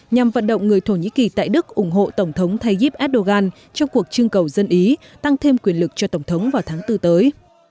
nhằm vận động người thổ nhĩ kỳ tại đức ủng hộ tổng thống tayyip erdogan trong cuộc trưng cầu dân ý tăng thêm quyền lực cho tổng thống vào tháng bốn tới